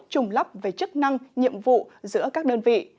trùng lắp về chức năng nhiệm vụ giữa các đơn vị